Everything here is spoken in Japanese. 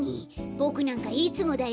ボクなんかいつもだよ。